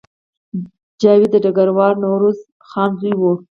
جاوید د ډګروال نوروز خان زوی و